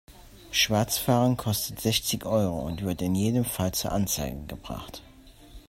Schwarzfahren kostet sechzig Euro und wird in jedem Fall zur Anzeige gebracht.